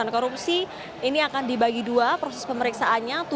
korupsi ini akan dibagi dua proses pemeriksaannya